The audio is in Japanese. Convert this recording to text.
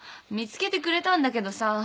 見つけてくれたんだけどさ。